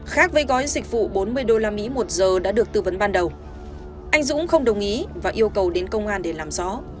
khác với gói dịch vụ bốn mươi usd một giờ đã được tư vấn ban đầu anh dũng không đồng ý và yêu cầu đến công an để làm rõ